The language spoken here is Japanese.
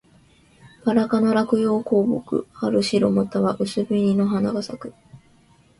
ばら科の落葉高木。春、白または薄紅の花が咲く。